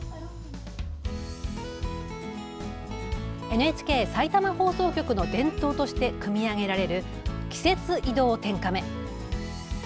ＮＨＫさいたま放送局の伝統として組み上げられる季節移動天カメ。